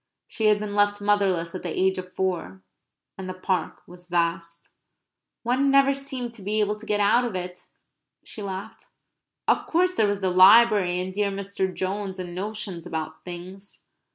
She had been left motherless at the age of four; and the Park was vast. "One never seemed able to get out of it," she laughed. Of course there was the library, and dear Mr. Jones, and notions about things.